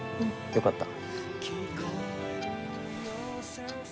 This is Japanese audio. よかった。